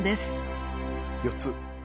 ４つ。